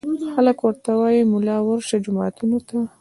خلک ورته وايي ملا ورشه جوماتونو ته